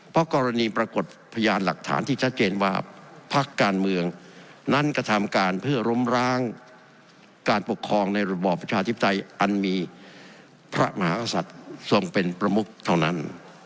เพราะกรณีปรากฏพยานหลักฐานที่ชัดเจนว่าพักการเมืองนั้นกระทำการเพื่อล้มร้างการปกครองในระบอบประชาธิปไตยอันมีพระมหากษัตริย์ทรงเป็นประมุกเท่านั้น